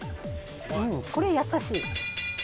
これ易しい。